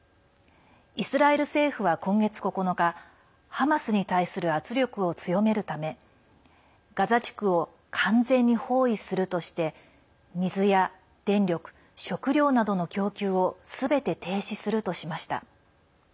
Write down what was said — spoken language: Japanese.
イスラエル政府は今月９日ハマスに対する圧力を強めるためガザ地区を完全に包囲するとして水や電力、食料などの供給をすべて停止するとしました。